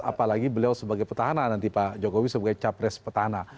apalagi beliau sebagai petahana nanti pak jokowi sebagai capres petahana